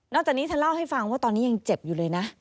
จากนี้เธอเล่าให้ฟังว่าตอนนี้ยังเจ็บอยู่เลยนะ